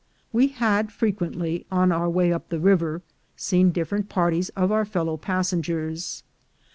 We had frequently, on our way up the river, seen different parties of our fellow passengers.